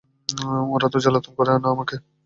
ওরা তো জ্বালাতন করে না তোমাকে?